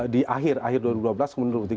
di akhir dua ribu dua belas ke dua ribu tiga belas